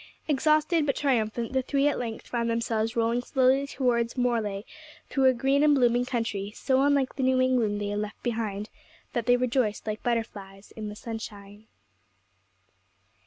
Exhausted but triumphant, the three at length found themselves rolling slowly towards Morlaix through a green and blooming country, so unlike the New England they had left behind, that they rejoiced like butterflies in the sunshine.